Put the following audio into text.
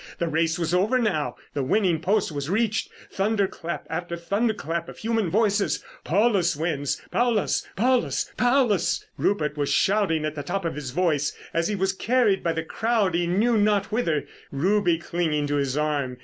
The race was over now. The winning post was reached. Thunder clap after thunder clap of human voices. "Paulus wins! ... Paulus! Paulus! Paulus!" Rupert was shouting at the top of his voice as he was carried by the crowd he knew not whither, Ruby clinging to his arm.